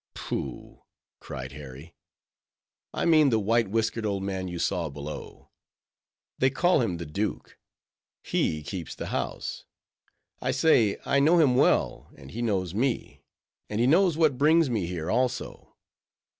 "Pooh!" cried Harry, "I mean the white whiskered old man you saw below; they call him the Duke:—he keeps the house. I say, I know him well, and he knows me; and he knows what brings me here, also.